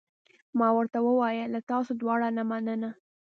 ما ورته وویل: له تاسو دواړو نه مننه.